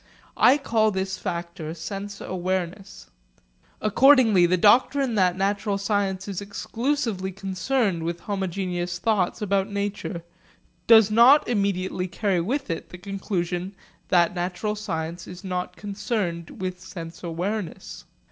I call this factor 'sense awareness.' Accordingly the doctrine that natural science is exclusively concerned with homogeneous thoughts about nature does not immediately carry with it the conclusion that natural science is not concerned with sense awareness.